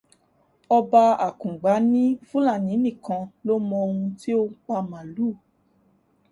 Ọba Akungba ní Fulani níkan ló mọ ohun tí ó pa màlúù.